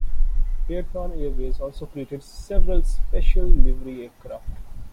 AirTran Airways also created several special livery aircraft.